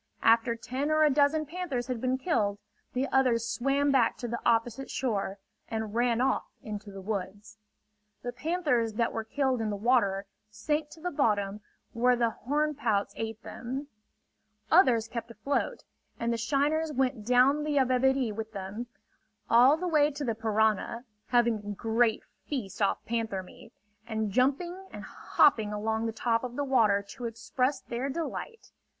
After ten or a dozen panthers had been killed, the others swam back to the opposite shore and ran off into the woods. The panthers that were killed in the water, sank to the bottom where the horn pouts ate them. Others kept afloat, and the shiners went down the Yabebirì with them, all the way to the Parana, having a great feast off panther meat, and jumping and hopping along the top of the water to express their delight.